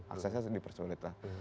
aksesnya dipersulit lah